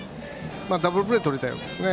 ダブルプレーをとりたいわけですね。